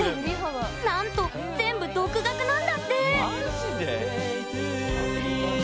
なんと全部、独学なんだって！